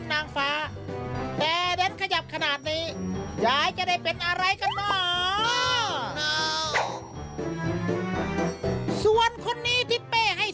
รัมหน้านางจะได้เป็นนางฟ้า